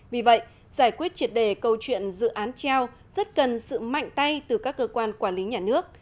vì vậy giải quyết triệt đề câu chuyện dự án treo rất cần sự mạnh tay từ các cơ quan quản lý nhà nước